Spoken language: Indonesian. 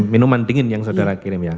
minuman dingin yang saudara kirim ya